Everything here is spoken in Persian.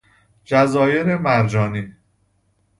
جزایر مرجانی